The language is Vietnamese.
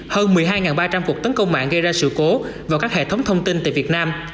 hơn một mươi hai ba trăm linh cuộc tấn công mạng gây ra sự cố vào các hệ thống thông tin tại việt nam